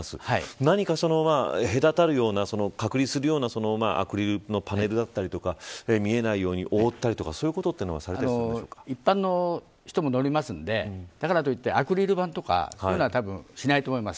何か隔たるような隔離するようなアクリルのパネルだったりとか見えないように覆ったりとか一般の人も乗りますのでだからといってアクリル板とかそういうのはしないと思います。